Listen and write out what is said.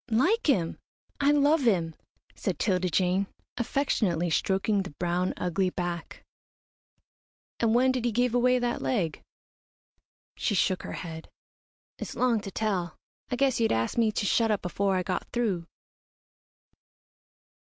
"Like him! I love him," said 'Tilda Jane, affectionately stroking the brown, ugly back. "And when did he give away that leg?" She shook her head. "It's long to tell. I guess you'd ask me to shut up afore I got through."